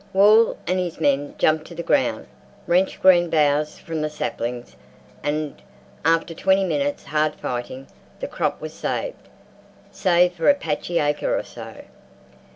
Wall and his men jumped to the ground, wrenched green boughs from the saplings, and, after twenty minutes' hard fighting, the crop was saved—save for a patchy acre or so.